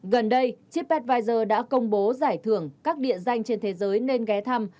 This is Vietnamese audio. gần đây chipadvisor đã công bố giải thưởng các địa danh trên thế giới nên ghé thăm